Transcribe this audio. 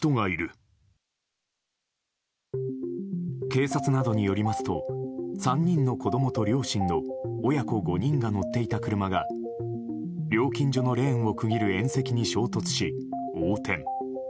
警察などによりますと３人の子供と両親の親子５人が乗っていた車が料金所のレーンを区切る縁石に衝突し、横転。